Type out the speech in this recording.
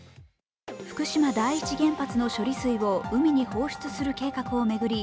福島第一原発の処理水を海に放出する計画を巡り